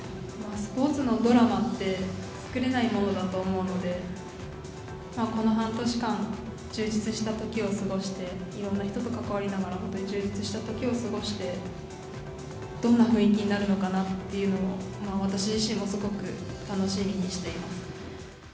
スポーツのドラマって作れないものだと思うので、この半年間、充実した時を過ごして、いろんな人と関わりながら、本当、充実した時を過ごしてどんな雰囲気になるのかなっていうのを、私自身もすごく楽しみにしています。